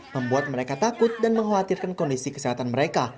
membuat mereka takut dan mengkhawatirkan kondisi kesehatan mereka